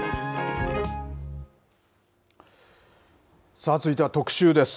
さあ、続いては特集です。